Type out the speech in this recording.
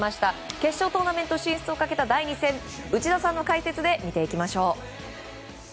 決勝トーナメント進出をかけた第２戦、内田さんの解説で見ていきましょう。